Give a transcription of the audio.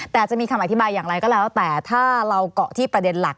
แต่จะมีคำอธิบายอย่างไรก็แล้วแต่ถ้าเราเกาะที่ประเด็นหลัก